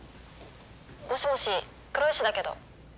もしもし黒石だけど。